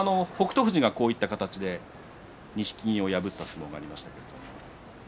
富士がこういう形で錦木を破った相撲がありました。